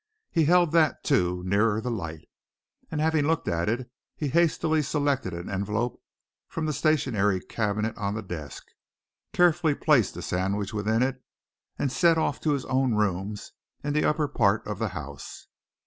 He held that, too, nearer the light. And having looked at it he hastily selected an envelope from the stationery cabinet on the desk, carefully placed the sandwich within it, and set off to his own rooms in the upper part of the house.